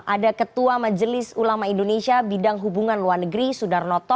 ada ketua majelis ulama indonesia bidang hubungan luar negeri sudarnoto